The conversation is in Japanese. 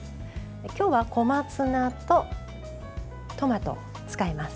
今日は小松菜とトマトを使います。